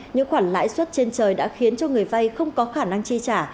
những khoản lãi suất trên trời đã khiến cho người vay không có khả năng chi trả